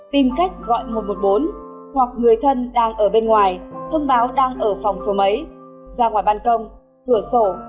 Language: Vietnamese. tìm cách gọi một trăm một mươi bốn hoặc người thân đang ở bên ngoài thông báo đang ở phòng số mấy ra ngoài ban công cửa sổ